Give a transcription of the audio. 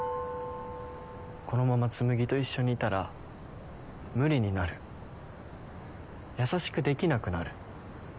「このまま紬と一緒にいたら無理になる」「優しくできなくなる」